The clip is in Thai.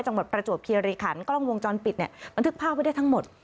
จังหวัดประจวบเครียรีย์ขันกล้องวงจรปิดเนี่ยมันทึกผ้าไว้ได้ทั้งหมด